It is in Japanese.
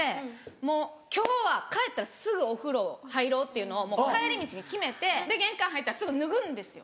もう今日は帰ったらすぐお風呂入ろうっていうのを帰り道に決めてで玄関入ったらすぐ脱ぐんですよ。